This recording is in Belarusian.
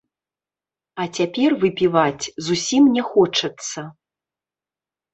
А цяпер выпіваць зусім не хочацца.